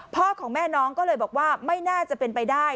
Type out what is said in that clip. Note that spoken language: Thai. ของแม่น้องก็เลยบอกว่าไม่น่าจะเป็นไปได้